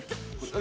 何？